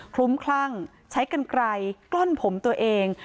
ลุ้มคลั่งใช้กันไกลกล้อนผมตัวเอง